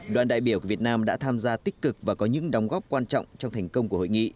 đoàn đại biểu việt nam đã tham gia tích cực và có những đóng góp quan trọng trong thành công của hội nghị